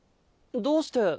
どうして？